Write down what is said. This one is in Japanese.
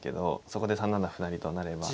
そこで３七歩成と成れば。